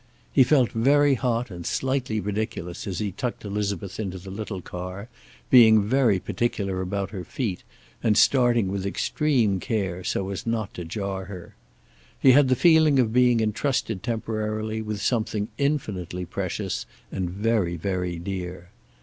He felt very hot and slightly ridiculous as he tucked Elizabeth into the little car, being very particular about her feet, and starting with extreme care, so as not to jar her. He had the feeling of being entrusted temporarily with something infinitely precious, and very, very dear.